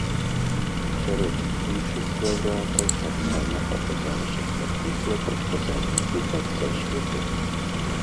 Сярод іншых лаўрэатаў таксама аказаліся шматлікія прадказальнікі канца свету.